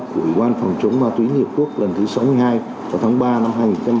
của ủy quan phòng chống ma túy nhật quốc lần thứ sáu mươi hai vào tháng ba năm hai nghìn một mươi chín